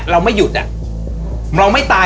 เราไม่หยุดเราไม่ตาย